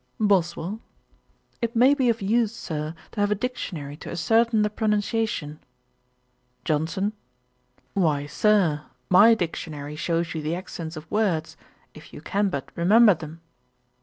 BOSWELL. 'It may be of use, Sir, to have a Dictionary to ascertain the pronunciation.' JOHNSON. 'Why, Sir, my Dictionary shows you the accents of words, if you can but remember them.'